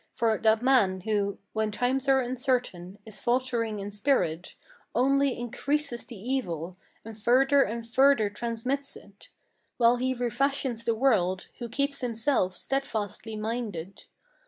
For that man, who, when times are uncertain, is faltering in spirit, Only increases the evil, and further and further transmits it; While he refashions the world, who keeps himself steadfastly minded.